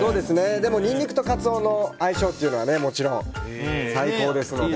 でも、ニンニクのカツオの相性はもちろん、最高ですので。